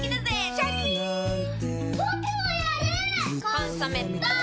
「コンソメ」ポン！